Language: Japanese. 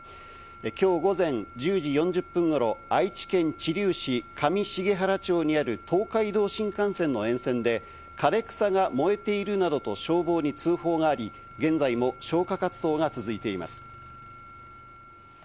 きょう午前１０時４０分ごろ、愛知県知立市上重原町にある東海道新幹線の沿線で、枯れ草が燃えているなどと消防に通報があり、現在も消火活動が続いています。